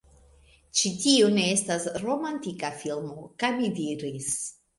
"Ĉi tiu ne estas romantika filmo!" kaj mi diris: